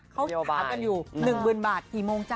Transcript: เขาถามกันอยู่หนึ่งหมื่นบาทกี่โมงจ๊ะ